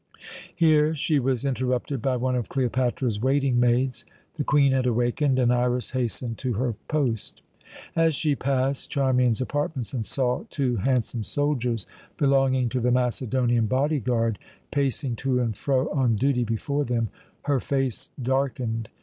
Here she was interrupted by one of Cleopatra's waiting maids. The Queen had awakened, and Iras hastened to her post. As she passed Charmian's apartments and saw two handsome soldiers, belonging to the Macedonian body guard, pacing to and fro on duty before them, her face darkened.